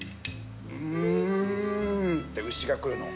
ウーンって牛が来るの。